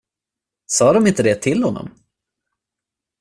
Sa de inte det till honom?